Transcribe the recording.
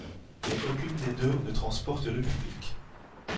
Mais aucune des deux ne transporte le public.